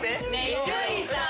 伊集院さん？